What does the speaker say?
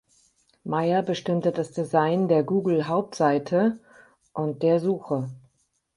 Mayer bestimmte das Design der Google-Hauptseite und der Suche.